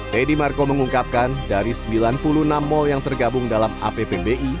teddy marco mengungkapkan dari sembilan puluh enam mal yang tergabung dalam appbi